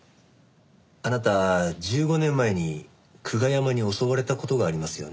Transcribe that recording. あなた１５年前に久我山に襲われた事がありますよね？